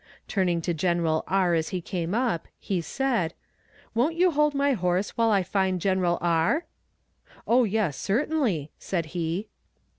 Turning to General R., as he came up, he said: "Won't you hold my horse while I find General R.?" "Oh yes, certainly," said he.